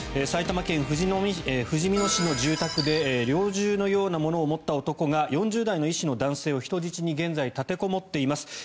埼玉県ふじみ野市の住宅で猟銃のようなものを持った男が４０代の医師の男性を人質に現在、立てこもっています。